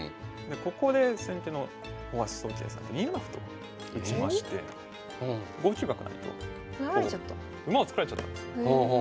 ここで先手の大橋宗桂さん２七歩と打ちまして５九角成と馬を作られちゃったんです。